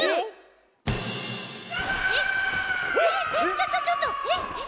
ちょちょちょっと！え？え？